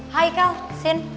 hai kal sin